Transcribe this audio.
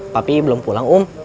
papi belum pulang om